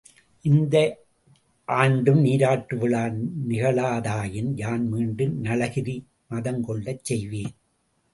இந்த ஆண்டும் நீராட்டுவிழா நிகழாதாயின் யான் மீண்டும் நளகிரி மதங்கொள்ளச் செய்வேன்.